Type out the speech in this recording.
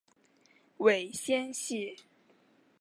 尾纤细。